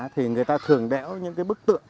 thì người ta thường đéo những bức tượng